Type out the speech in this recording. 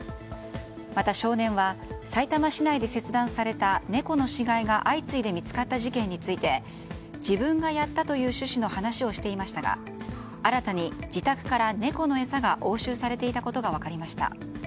また少年は、さいたま市内で切断された猫の死骸が相次いで見つかった事件について自分がやったという趣旨の話をしていましたが新たに自宅から猫の餌が押収されていたことが分かりました。